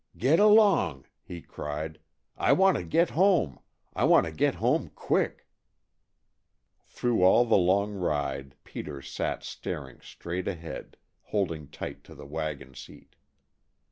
"Get along," he cried. "I want to get home. I want to get home quick." Through all the long ride Peter sat staring straight ahead, holding tight to the wagon seat.